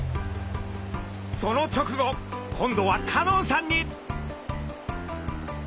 その直後今度は香音さんに！